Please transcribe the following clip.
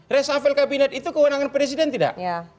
res afil kabinet itu kewenangan presiden tidak